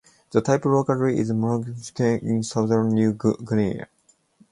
The type locality is Merauke in southern New Guinea.